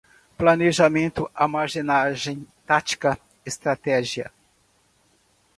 planejamento, armazenagem, tática, estratégia